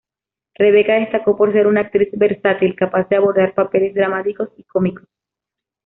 Rebeca destacó por ser una actriz versátil, capaz de abordar papeles dramáticos y cómicos.